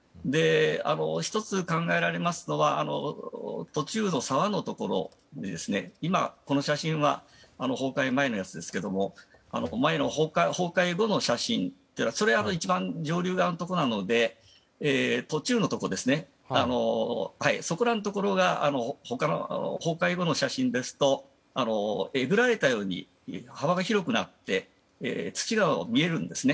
１つ、考えられますのは途中の沢のところで今、この写真は崩壊前ですが前の崩壊後の写真は一番上流側のところなので途中のところですねそこらのところが他の崩壊後の写真ですとえぐられたように幅が広くなって土が見えるんですね。